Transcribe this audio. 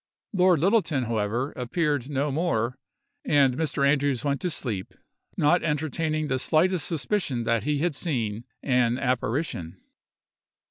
Lord Littleton, however, appeared no more, and Mr. Andrews went to sleep, not entertaining the slightest suspicion that he had seen an apparition.